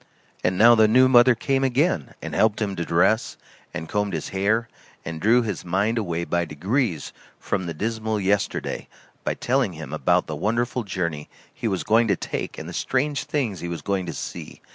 And now the new mother came again, and helped him to dress, and combed his hair, and drew his mind away by degrees from the dismal yesterday, by telling him about the wonderful journey he was going to take and the strange things he was going to see.